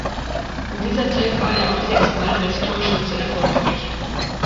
In dieser Zeit war er auch sechsmal als Torschütze erfolgreich.